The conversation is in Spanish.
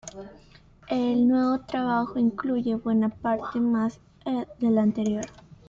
El nuevo trabajo incluye buena parte temas del anterior.